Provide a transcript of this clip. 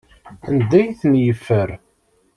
Anda ay ten-yeffer?